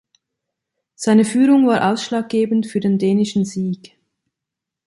Seine Führung war ausschlaggebend für den dänischen Sieg.